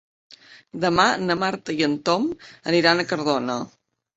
Demà na Marta i en Tom aniran a Cardona.